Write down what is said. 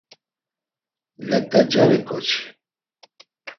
Let̆acari ǩoçi!